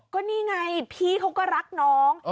ก็นี่ไงพี่เขาก็รักน้อง